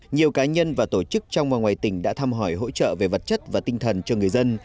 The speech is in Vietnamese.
nhiều cá nhân và tổ chức trong và ngoài tỉnh đã thăm hỏi hỗ trợ về vật chất và tinh thần cho người dân